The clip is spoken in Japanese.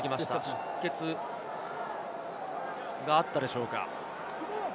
出血があったでしょうか。